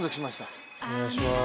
お願いします。